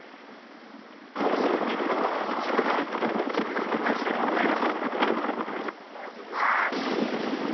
高層ビルの一部が、大きく損壊しているのが分かります。